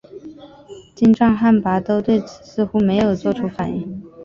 金帐汗拔都对此似乎没有作出反应。